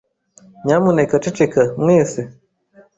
Nyamuneka ceceka, mwese.